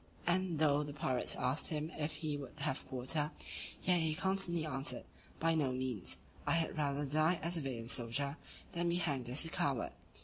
And though the pirates asked him if he would have quarter; yet he constantly answered, "By no means, I had rather die as a valiant soldier, than be hanged as a coward."